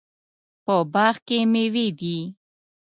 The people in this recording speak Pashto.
په باغ کې میوې دي